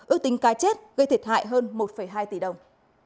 ước tính cá chết gây thiệt hại hơn một hai tỷ đồng